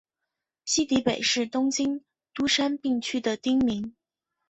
西荻北是东京都杉并区的町名。